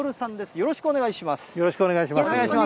よろしくお願いします。